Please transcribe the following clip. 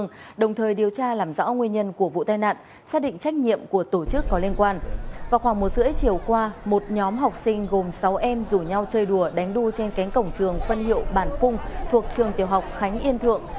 nhóm học sinh gồm sáu em rủ nhau chơi đùa đánh đu trên cánh cổng trường phân hiệu bản phung thuộc trường tiểu học khánh yên thượng